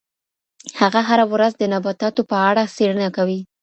هغه هره ورځ د نباتاتو په اړه څېړنه کوي.